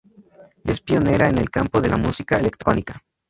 Es pionera en el campo de la música electrónica.